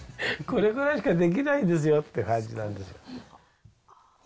これぐらいしかできないんですよって感じなんですよ。